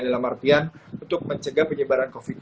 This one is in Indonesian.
dalam artian untuk mencegah penyebaran covid sembilan belas